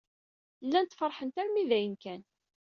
Llant feṛḥent armi d ayen kan.